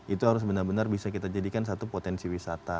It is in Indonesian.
itu harus benar benar bisa kita jadikan satu potensi wisata